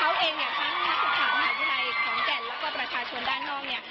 เขาเองเนี่ยทั้งนักศึกษามหาวิทยาลัยขอนแก่นแล้วก็ประชาชนด้านนอกเนี่ย